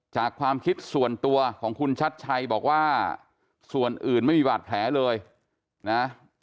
ความคิดส่วนตัวของคุณชัดชัยบอกว่าส่วนอื่นไม่มีบาดแผลเลยนะ